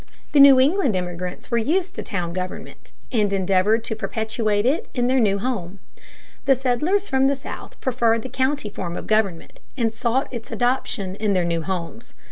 The New England immigrants were used to town government, and endeavored to perpetuate it in their new home; the settlers from the South preferred the county form of government, and sought its adoption in their new homes.